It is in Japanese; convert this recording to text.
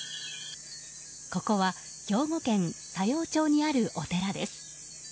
ここは兵庫県佐用町にあるお寺です。